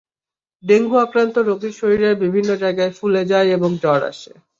Dengue আক্রান্ত রোগীর শরীরের বিভিন্ন জায়গায় ফুলে যায় এবং জ্বর আসে।